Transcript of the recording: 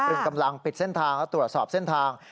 กำลังปิดเส้นทางและตรวจสอบเส้นทาง